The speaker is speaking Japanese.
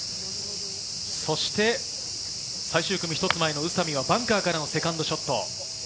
そして最終組一つ前の宇佐美はバンカーからのセカンドショット。